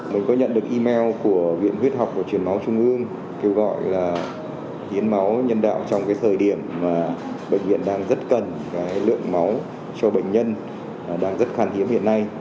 mình có nhận được email của viện huyết học truyền máu trung ương kêu gọi hiến máu nhân đạo trong thời điểm bệnh viện đang rất cần lượng máu cho bệnh nhân đang rất khan hiếm hiện nay